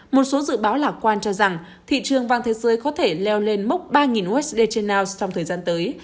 một số dự báo lạc quan cho rằng thị trường vàng thế giới có thể leo lên mốc ba usd trên now trong thời gian tới